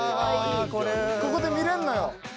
ここで見られるのよ。